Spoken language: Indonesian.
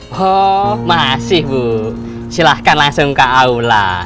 oh masih bu silahkan langsung ke aula